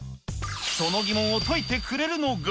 その疑問を解いてくれるのが。